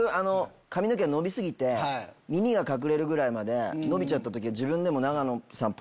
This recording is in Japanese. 髪の毛が伸び過ぎて耳が隠れるぐらい伸びちゃった時。